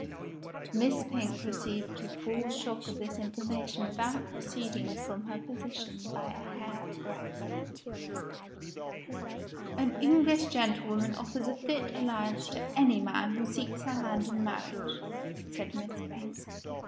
Miss Pink received the full shock of this information without receding from her position by a hair breadth. "An English gentlewoman offers a fit alliance to any man living who seeks her hand in marriage," said Miss Pink.